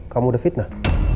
kamu udah fitnah